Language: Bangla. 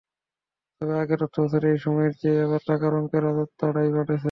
তবে আগের অর্থবছরের একই সময়ের চেয়ে এবার টাকার অঙ্কে রাজস্ব আদায় বেড়েছে।